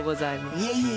いえいえ。